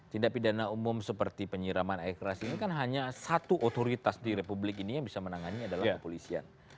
tindak pidana umum seperti penyiraman air keras ini kan hanya satu otoritas di republik ini yang bisa menangani adalah kepolisian